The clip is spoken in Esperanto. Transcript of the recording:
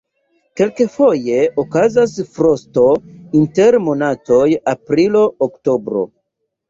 Kelkfoje okazas frosto inter monatoj aprilo-oktobro.